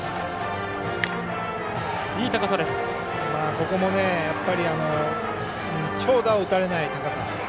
ここも長打を打たれない高さ。